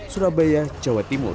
surabaya jawa timur